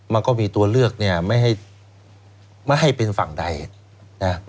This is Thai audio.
มันก็มีตัวเลือกไม่ให้เป็นฝั่งใดนะ